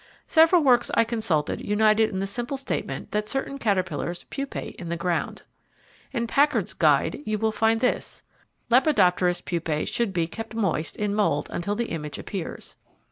Several works I consulted united in the simple statement that certain caterpillars pupate in the ground. In Packard's "Guide", you will find this "Lepidopterous pupae should be...kept moist in mould until the image appears."